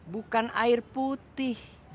bukan air putih